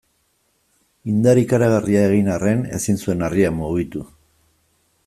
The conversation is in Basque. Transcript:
Indar ikaragarria egin arren ezin zuen harria mugitu.